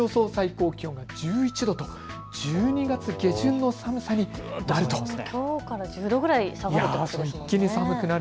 最高気温が１１℃と１２月下旬の寒さになります。